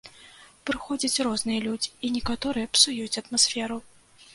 Прыходзяць розныя людзі, і некаторыя псуюць атмасферу.